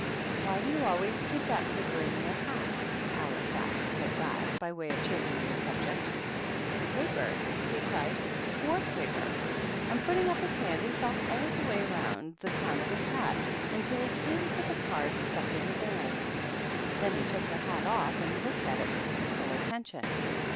" Why do you always keep that paper on your hat ?'' Alice asked at last, by way of changing the subject. " Paper !" he cried. " What paper ?" And put ting up his hand, he felt all round the crown of his hat until he came to the card stuck in the band. Then he took the hat off, and looked at it with critical attention.